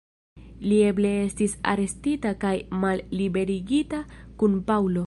Li eble estis arestita kaj malliberigita kun Paŭlo.